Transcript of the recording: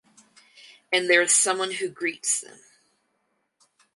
And there is someone who greets them.